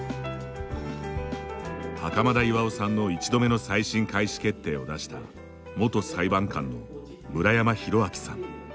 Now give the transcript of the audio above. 袴田巌さんの１度目の再審開始決定を出した元裁判官の村山浩昭さん。